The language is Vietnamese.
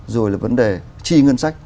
rồi là vấn đề chi ngân sách